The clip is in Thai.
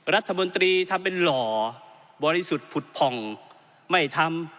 รัฐมนตรีทำเป็นหล่อบริสุทธิ์ผุดผ่องไม่ทำ